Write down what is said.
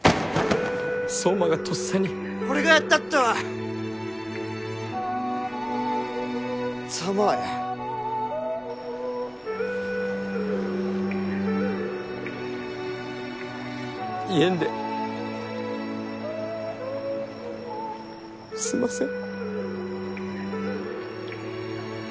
壮磨がとっさに俺がやったったわざまあや言えんですんません